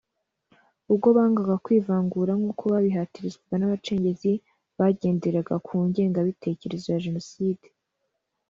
ubwo bangaga kwivangura nk’uko babihatirwaga n’abacengezi bagenderaga ku ngengabitekerezo ya Jenoside